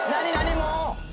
もう。